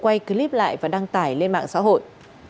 quay clip lại và đăng tải lên mạng xã hội